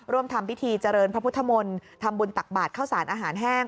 ทำพิธีเจริญพระพุทธมนต์ทำบุญตักบาทเข้าสารอาหารแห้ง